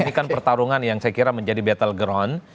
ini kan pertarungan yang saya kira menjadi battle ground